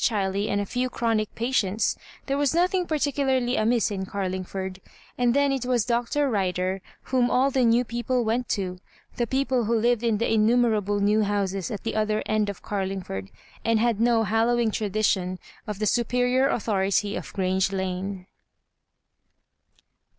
CMey and a few chronic patients, there was nothing particulu*ly amiss in Garlingford, and then it was Dr. Rider whom aJl the new people went to, tiie people who lived in the innumerable new houses at the other end of Garlingford, and had no hallowh)|^ tradition of the superior authority of Grange Lane.